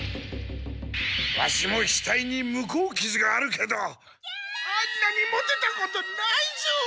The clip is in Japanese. ワシもひたいに向こうきずがあるけどあんなにモテたことないぞ！